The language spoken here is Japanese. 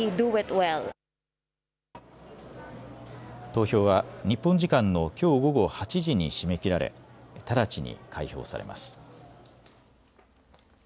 投票は日本時間のきょう午後８時に締め切られ直ちに開票されます。